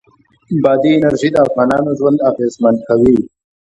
بادي انرژي د افغانانو ژوند اغېزمن کوي.